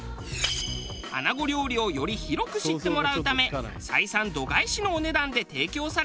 穴子料理をより広く知ってもらうため採算度外視のお値段で提供される丼。